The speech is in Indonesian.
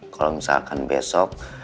kalau misalkan besok